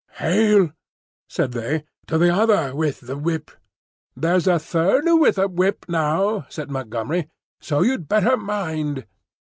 "Hail," said they, "to the Other with the Whip!" "There's a Third with a Whip now," said Montgomery. "So you'd better mind!"